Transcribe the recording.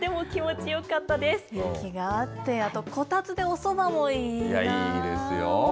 雪があって、あとこたつでおそばもいいなぁ。